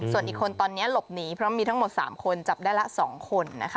ส่วนอีกคนตอนนี้หลบหนีเพราะมีทั้งหมด๓คนจับได้ละ๒คนนะคะ